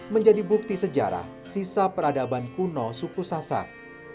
menjadi bukti sejarah sisa peradaban kuno suku sasak